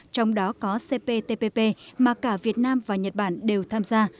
trong đó có cptpp mà cả việt nam và nhật bản đều tham gia